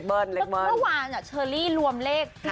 เมื่อวานเชอรี่รวมเลข๙